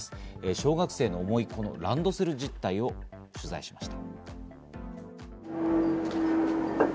小学生の重いこのランドセル実態を取材しました。